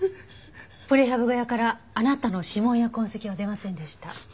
プレハブ小屋からあなたの指紋や痕跡は出ませんでした。